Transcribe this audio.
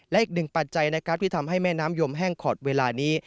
และอีกหนึ่งปัจจัยนะครับที่ทำให้แม่น้ำยมแห้งขอดเวลานี้